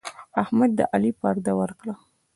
احمد د علي پرده ور وکړه.